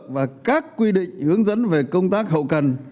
và các quy định hướng dẫn về công tác hậu cần